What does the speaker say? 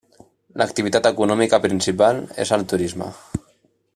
L'activitat econòmica principal és el turisme.